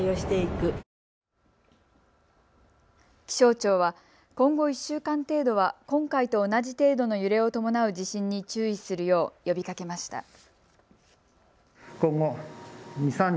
気象庁は今後１週間程度は今回と同じ程度の揺れを伴う地震に注意するよう呼びかけました。